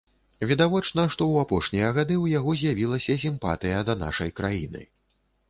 Відавочна, што ў апошнія гады ў яго з'явілася сімпатыя да нашай краіны.